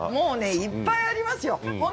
いっぱいありますよ。